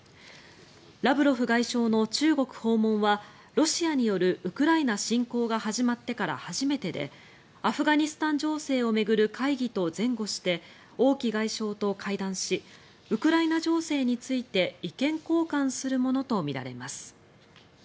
ラブロフ外相の中国訪問はロシアによるウクライナ侵攻が始まってから初めてでアフガニスタン情勢を巡る会議と前後して王毅外相と会談しウクライナ情勢について意見交換するものとみられます。